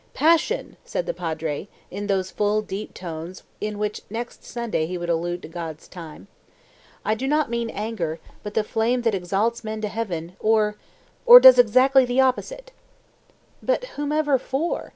"Passion!" said the Padre, in those full, deep tones in which next Sunday he would allude to God's time. "I do not mean anger, but the flame that exalts man to heaven or or does exactly the opposite!" "But whomever for?"